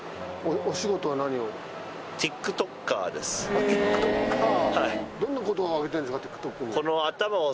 あっＴｉｋＴｏｋｅｒ。